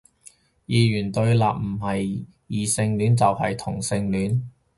二元對立，唔係異性戀就係同性戀